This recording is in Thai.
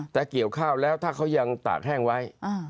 แต่เกี่ยวข้าวแล้วถ้าเขายังตากแห้งไว้